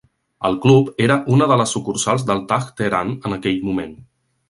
El club era una de les sucursals de Taj Tehran en aquell moment.